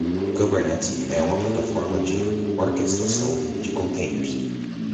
Kubernetes é uma plataforma de orquestração de contêineres.